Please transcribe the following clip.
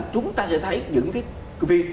chúng ta sẽ thấy những cái việc